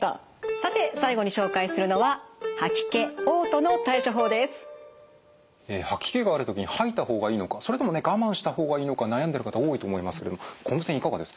さて最後に紹介するのは吐き気がある時に吐いた方がいいのかそれともね我慢した方がいいのか悩んでる方多いと思いますけれどもこの点いかがですか？